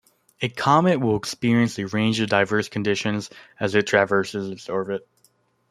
A comet will experience a range of diverse conditions as it traverses its orbit.